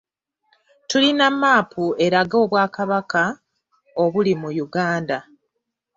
Tulina mmaapu eraga obwakabaka obuli mu Uganda.